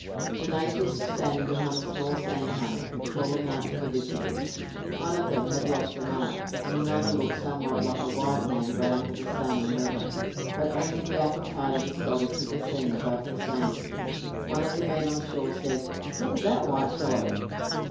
The natives were standing behind a small sand hummock calling out to the visitors. One of them had lost an eye, and another looked somewhat like a white man browned with the sun and weather, but only the upper part of his body could be seen above the sand. One of the men on shore said, "Look at that white fellow."